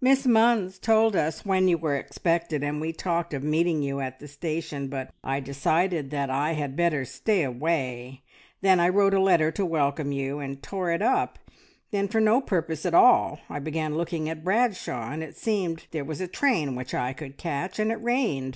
"Miss Munns told us when you were expected, and we talked of meeting you at the station, but I decided that I had better stay away; then I wrote a letter to welcome you, and tore it up; then for no purpose at all I began looking at Bradshaw, and it seemed there was a train which I could catch. And it rained!